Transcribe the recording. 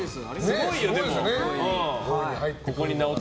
すごいよ、でも。